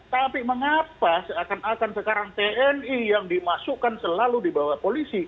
tapi mengapa seakan akan sekarang tni yang dimasukkan selalu dibawa polisi